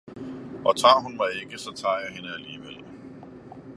Og tar hun mig ikke, så tar jeg hende alligevel